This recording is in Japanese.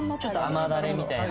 甘だれみたいな。